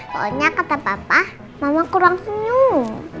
pokoknya kata papa mama kurang senyum